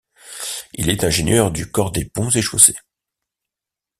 Il est ingénieur du Corps des Ponts et Chaussées.